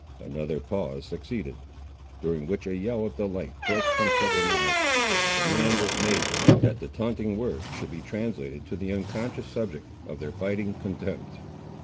Another pause succeeded, during which a yell of delight broke from several mouths, and a demand was made, that the taunting words should be translated to the unconscious subject of their biting contempt.